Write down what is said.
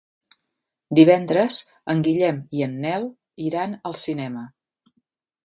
Divendres en Guillem i en Nel iran al cinema.